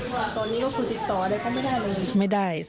ตอนนี้ก็คือติดต่อได้ค่ะไม่ได้เลย